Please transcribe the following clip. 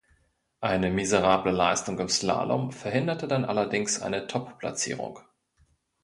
Eine miserable Leistung im Slalom verhinderte dann allerdings eine Topplatzierung.